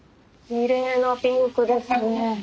きれいなピンクですね。